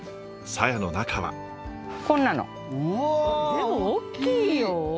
でも大きいよ！